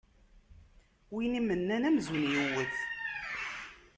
Win imennan amzun iwwet.